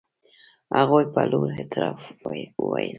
هغوی په لوړ اعتراف وویل.